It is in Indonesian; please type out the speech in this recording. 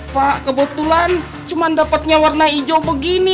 pak kebetulan cuman dapatnya warna ijo begini